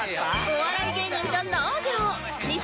お笑い芸人と農業二